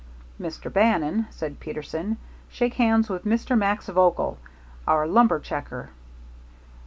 "Mr. Bannon," said Peterson, "shake hands with Mr. Max Vogel, our lumber checker."